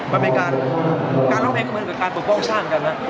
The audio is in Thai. มันเป็นการมันเป็นการปกป้องชาติกัน